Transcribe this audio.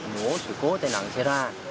mổ sự cố tài nặng xảy ra